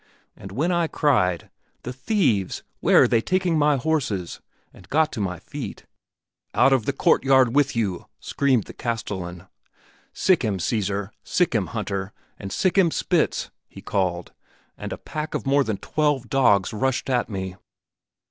And when I cried, 'The thieves! Where are they taking my horses?' and got to my feet 'Out of the courtyard with you!' screamed the castellan, 'Sick him, Caesar! Sick him, Hunter!' and, 'Sick him, Spitz!' he called, and a pack of more than twelve dogs rushed at me.